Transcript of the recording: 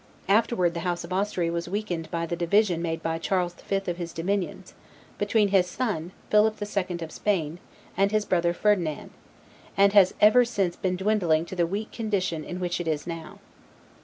Afterward the House of Austria was weakened by the division made by Charles the Fifth of his dominions, between his son, Philip the Second of Spain, and his brother Ferdinand; and has ever since been dwindling to the weak condition in which it now is.